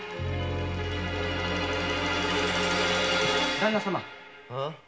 旦那様